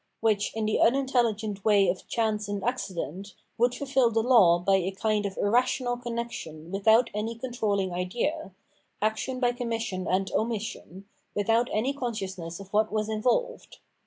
which, in the un intelhgent way of chance and accident, would fulfil the law by a kind of irrational connection with out any controlling idea, action by commission and omission, without any consciousness of what was involved.